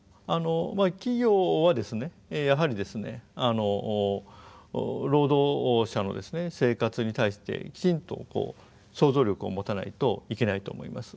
企業はですねやはり労働者の生活に対してきちんと想像力を持たないといけないと思います。